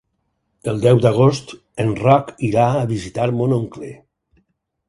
El deu d'agost en Roc irà a visitar mon oncle.